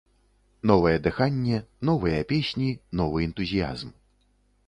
Новае дыханне, новыя песні, новы энтузіязм.